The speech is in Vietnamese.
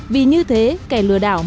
vì như thế kẻ lừa đảo mất